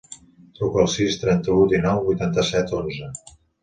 Truca al sis, trenta-u, dinou, vuitanta-set, onze.